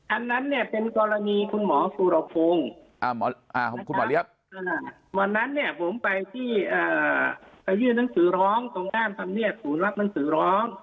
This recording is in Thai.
อันนั้นเนี่ยเป็นกรณีคุณหมอสุโรพงศ์วันนั้นเนี่ยผมไปที่ประยูนภาษณ์นังสื่อร้อง